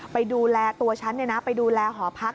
ไปดูแลตัวชั้นนี่นะไปดูแลหอพัก